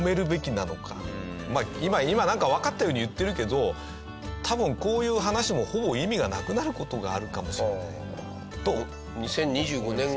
まあ今なんかわかったように言ってるけど多分こういう話もほぼ意味がなくなる事があるかもしれないと。